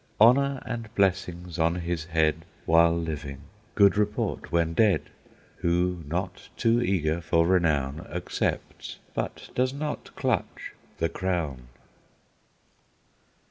Honor and blessings on his head While living, good report when dead, Who, not too eager for renown, Accepts, but does not clutch, the crown!